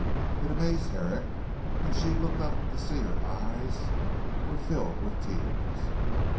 It amazed Herrick when she looked up to see that her eyes were filled with tears.